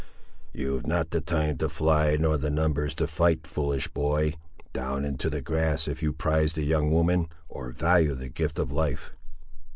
"You've not the time to fly, nor the numbers to fight, foolish boy. Down into the grass, if you prize the young woman, or value the gift of life!"